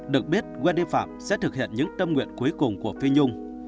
được biết wendy phạm sẽ thực hiện những tâm nguyện cuối cùng của phi nhung